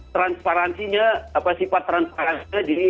transparansinya sifat transparansinya